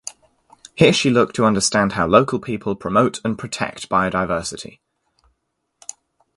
Here she looked to understand how local people promote and protect biodiversity.